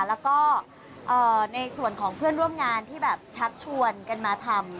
แล้วก็ในส่วนของเพื่อนร่วมงานที่แบบชักชวนกันมาทำ